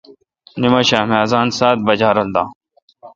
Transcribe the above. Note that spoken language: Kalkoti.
نماشام اذان سات بجا رل دان